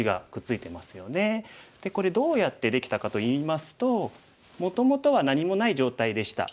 これどうやってできたかといいますともともとは何もない状態でした。